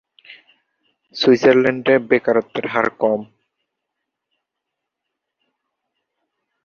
সুইজারল্যান্ডে বেকারত্বের হার কম।